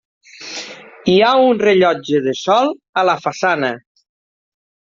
Hi ha un rellotge de sol a la façana.